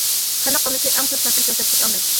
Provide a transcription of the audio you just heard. خەلق ئاممىسى ئەڭ تۈپ تەسىر كۆرسەتكۈچ ئامىل.